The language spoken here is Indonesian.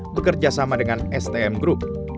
bekerja sama dengan stm group